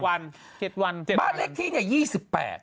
บ้านเล็กที่ยี่สิบแปด